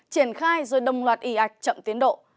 triển khai rồi đồng loạt y ạch chậm tiến độ